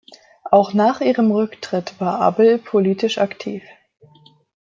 Auch nach ihrem Rücktritt war Abel politisch aktiv.